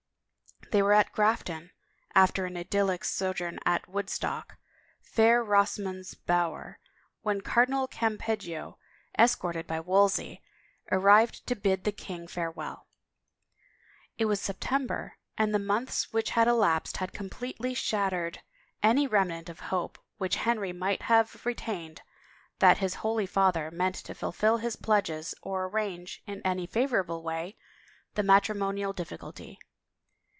They were at Grafton, after an idyllic sojourn at Woodstock, fair Rosamond's bower, when Cardinal Cam peggio, escorted by Wolsey, arrived to bid the king fare well. It was September, and the months which had elapsed had completely shattered any remnant of hope which Henry might have retained that his Holy Father meant to fulfill his pledges or arrange, in any favorable way, the matrimonial difficulty.